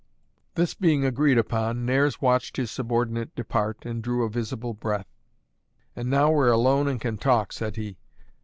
This being agreed upon, Nares watched his subordinate depart and drew a visible breath. "And now we're alone and can talk," said he.